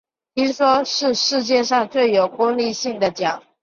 听说是世界上最有公信力的奖